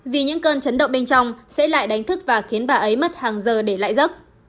vì những cơn chấn động bên trong sẽ lại đánh thức và khiến bà ấy mất hàng giờ để lại giấc